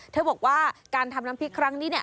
เธอบอกว่าการทำน้ำพริกครั้งนี้เนี่ย